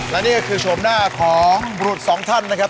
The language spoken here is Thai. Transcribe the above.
และนี่คือชมหน้าของบรูท๒ท่านนะครับ